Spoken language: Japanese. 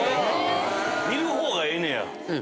見る方がええねや。